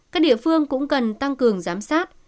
các địa phương cũng cần tăng cường giám sát